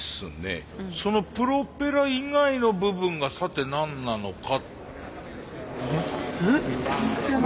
そのプロペラ以外の部分がさて何なのか。